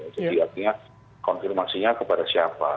jadi artinya konfirmasinya kepada siapa